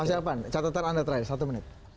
mas elvan catatan anda terakhir satu menit